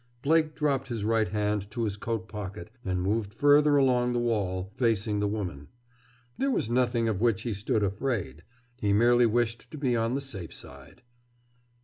Blake dropped his right hand to his coat pocket and moved further along the wall, facing the woman. There was nothing of which he stood afraid: he merely wished to be on the safe side.